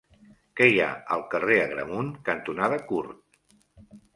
Què hi ha al carrer Agramunt cantonada Curt?